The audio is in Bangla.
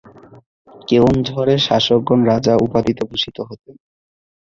কেওনঝড় এর শাসকগণ রাজা উপাধিতে ভূষিত হতেন।